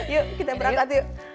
yuk kita berangkat yuk